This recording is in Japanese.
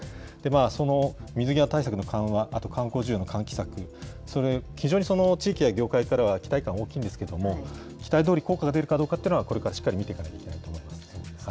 その水際対策の緩和、あと観光需要の喚起策、非常に地域や業界からは期待感大きいんですけれども、期待どおり効果が出るかどうかというのはこれからしっかり見ていかなければいけないと思います。